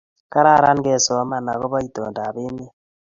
Kararan ke soman ako ba itondab emet